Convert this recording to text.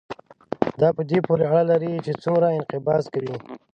دا په دې پورې اړه لري چې څومره انقباض کوي.